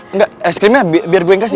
enggak es krimnya biar gue yang kasih